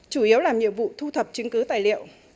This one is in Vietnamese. chủ yếu làm nhiệm vụ thu thập chứng cứ tài liệu